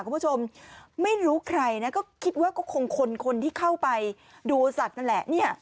คุณผู้ชมไม่รู้ใครนะก็คิดว่าก็คงคนคนที่เข้าไปดูสัตว์นั่นแหละเนี่ย